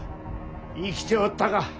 生きておったか。